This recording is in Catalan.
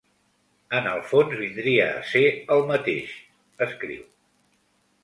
En el fons vindria a ser el mateix, escriu.